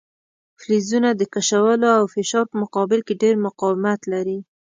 فلزونه د کشولو او فشار په مقابل کې ډیر مقاومت لري.